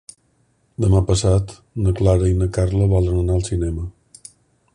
Demà passat na Clara i na Carla volen anar al cinema.